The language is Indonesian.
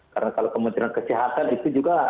karena kalau kementerian kesehatan itu juga